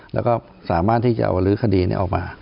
แล้วก็สามารถที่จะเอาลื้อคดีนี้ออกมา